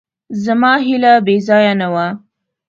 زما هیله بېځایه نه وه.